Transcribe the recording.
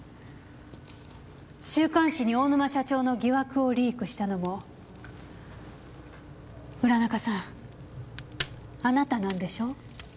週刊誌に大沼社長の疑惑をリークしたのも浦中さんあなたなんでしょう？